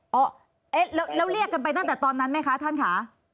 เอ๊ะแล้วเรียกกันไปตั้งแต่ตอนนั้นไหมคะท่านค่ะ